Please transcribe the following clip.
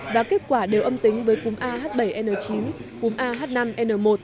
và kết quả đều âm tính với cúm ah bảy n chín cúm ah năm n một